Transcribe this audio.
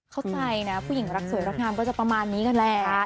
เข้าใจนะผู้หญิงรักสวยรักงามก็จะประมาณนี้กันแหละ